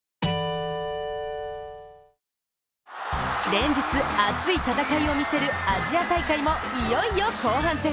連日熱い戦いを見せるアジア大会もいよいよ後半戦。